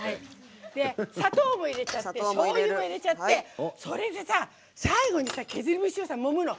砂糖も入れちゃってしょうゆも入れちゃってそれでさ、最後に削り節をもむの。